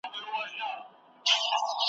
د واک ترلاسه کولو لپاره ګټه واخیسته .